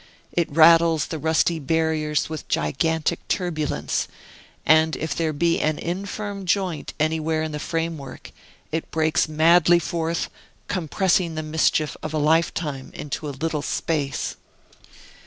It rattles the rusty barriers with gigantic turbulence, and if there be an infirm joint anywhere in the framework, it breaks madly forth, compressing the mischief of a lifetime into a little space.